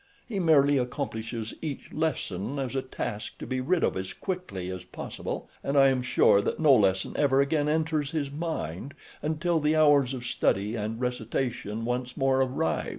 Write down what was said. He merely accomplishes each lesson as a task to be rid of as quickly as possible and I am sure that no lesson ever again enters his mind until the hours of study and recitation once more arrive.